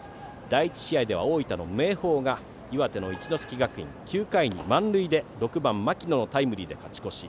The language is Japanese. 第１試合では大分の明豊が岩手の一関学院に９回に満塁で６番、牧野のタイムリーで勝ち越し。